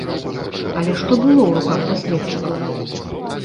Але што было ў руках даследчыкаў?